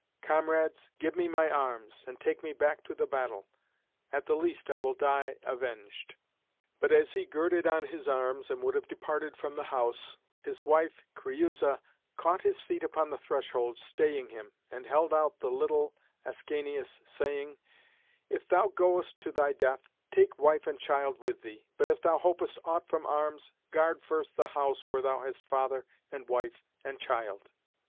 Comrades, give me my arms, and take me back to the battle. At the least I will die avenged." But as he girded on his arms and would have departed from the house, his wife Creüsa caught his feet upon the threshold, staying him, and held out the little Ascanius, saying, "If thou goest to thy death, take wife and child with thee; but if thou hopest aught from arms, guard first the house where thou hast father and wife and child."